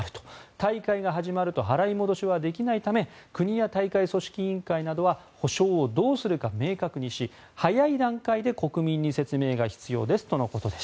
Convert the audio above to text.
大会が始まると払い戻しはできないため国や大会組織委員会などは補償をどうするか明確にし早い段階で国民に説明が必要ですと。